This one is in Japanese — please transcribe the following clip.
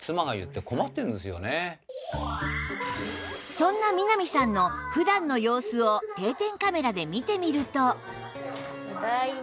そんな南さんの普段の様子を定点カメラで見てみると